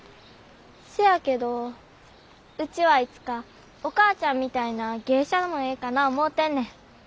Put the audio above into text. せやけどウチはいつかお母ちゃんみたいな芸者もええかな思うてんねん。